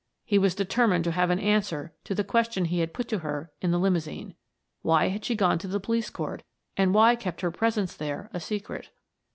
He was determined to have an answer to the question he had put to her in the limousine. Why had she gone to the police court, and why kept her presence there a secret?